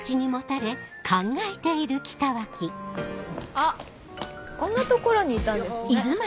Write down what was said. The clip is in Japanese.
あっこんな所にいたんですね。